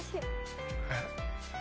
えっ？